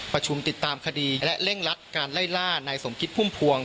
ประชุมติดตามคดีและเร่งรัดการไล่ล่านายสมคิดพุ่มพวง